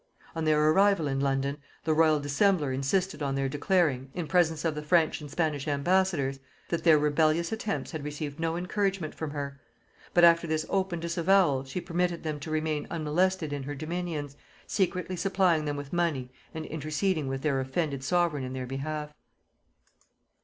On their arrival in London, the royal dissembler insisted on their declaring, in presence of the French and Spanish ambassadors, that their rebellious attempts had received no encouragement from her; but after this open disavowal, she permitted them to remain unmolested in her dominions, secretly supplying them with money and interceding with their offended sovereign in their behalf.